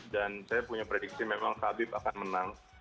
dan saya punya prediksi memang khabib akan menang